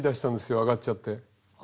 あがっちゃって。